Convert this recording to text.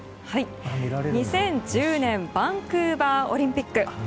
２０１０年バンクーバーオリンピック。